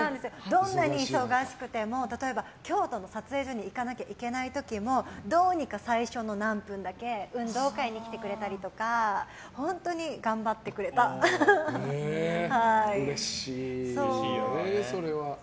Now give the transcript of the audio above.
どんなに忙しくても例えば、京都の撮影所に行かなきゃいけない時もどうにか最初の何分かだけ運動会に来てくれたりとかうれしいですね、それは。